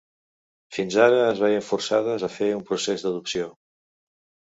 Fins ara es veien forçades a fer un procés d’adopció.